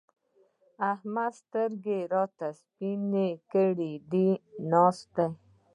احمد سترګې راته سپينې کړې دي؛ ناست دی.